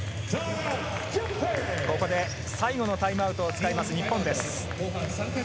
ここで、最後のタイムアウトを使います、日本です。